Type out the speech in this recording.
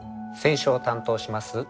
選書を担当します